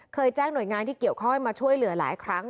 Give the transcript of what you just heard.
แจ้งหน่วยงานที่เกี่ยวข้องมาช่วยเหลือหลายครั้ง